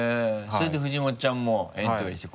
それで藤本ちゃんもエントリーして。